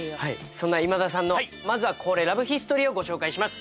そんな今田さんのまずは恒例ラブヒストリーをご紹介します。